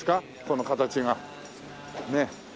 この形が。ねえ。